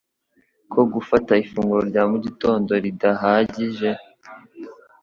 ko gufata ifunguro rya mugitondo ridahagije.